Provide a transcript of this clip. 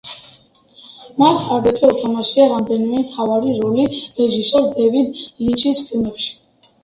მას აგრეთვე უთამაშია რამდენიმე მთავარი როლი რეჟისორ დევიდ ლინჩის ფილმებში.